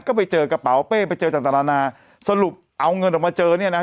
ก็ไปเจอกระเป๋าเป้ไปเจอต่างต่างนานาสรุปเอาเงินออกมาเจอเนี่ยนะ